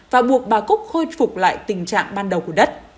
và buộc bà cúc khôi phục lại tình trạng ban đầu của đất